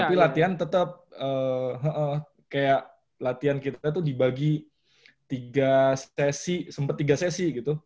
tapi latihan tetap kayak latihan kita tuh dibagi tiga sesi sempat tiga sesi gitu